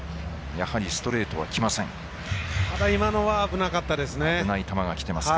やはりストレートはきません。